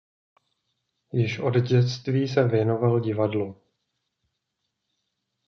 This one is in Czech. Již od dětství se věnoval divadlu.